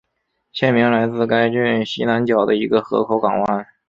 县名来自该郡西南角的一个河口港湾。